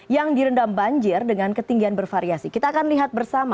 yang direndam banjir dengan ketinggian bervariasi kita akan lihat bersama